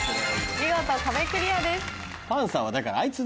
見事壁クリアです。